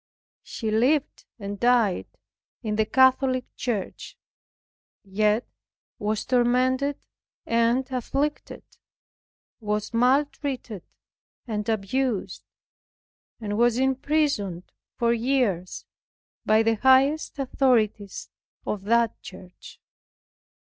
She lived and died in the Catholic Church; yet was tormented and afflicted; was maltreated and abused; and was imprisoned for years by the highest authorities of that church.